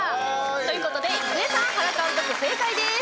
ということで、郁恵さん原監督、正解です。